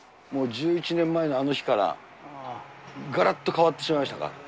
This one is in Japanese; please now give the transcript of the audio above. もう１１年前のあの日からがらっと変わってしまいましたか？